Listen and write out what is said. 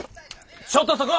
ちょっとそこ！